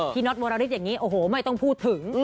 พี่นอดโมราริสต์โอโหไม่ต้องพูดถึง